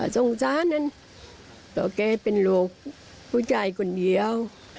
สงสารนั้นเพราะแกเป็นโรคผู้ชายคนเดียว